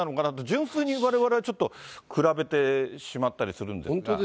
純粋にわれわれはちょっと、比べてしまったりするんですが。